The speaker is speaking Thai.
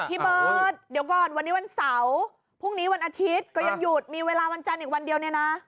พี่เบิร์ตเดี๋ยวก่อนวันนี้วันเสาร์พรุ่งนี้วันอาทิตย์ก็ยังหยุดมีเวลาวันจันทร์อีกวันเดียวเนี่ยนะ